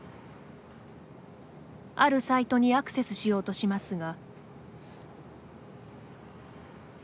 あるサイトにアクセスしようとしますが。